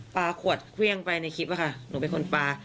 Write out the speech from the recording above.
ปลาขวดเครื่องไปในคลิปอะค่ะหนูเป็นคนปลา